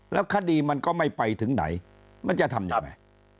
แล้วคดีมันก็ไม่ไปถึงไหนมันจะทำยังไง